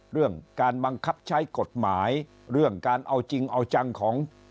เรื่องการบังคับใช้กฎหมายเรื่องการเอาจริงเอาจังของ